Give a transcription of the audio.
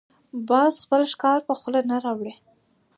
باز خپل ښکار په خوله نه راوړي